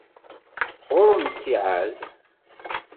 Ɣur-m ttiεad?